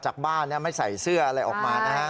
จากบ้านไม่ใส่เสื้ออะไรออกมานะฮะ